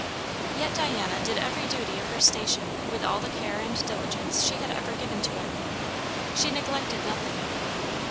Yet Diana did every duty of her station with all the care and diligence she had ever given to it. She neglected nothing.